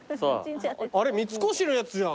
あれ三越のやつじゃん。